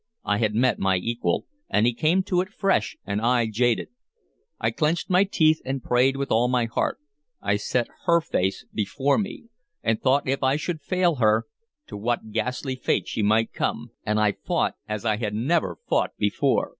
I had met my equal, and he came to it fresh and I jaded. I clenched my teeth and prayed with all my heart; I set her face before me, and thought if I should fail her to what ghastly fate she might come, and I fought as I had never fought before.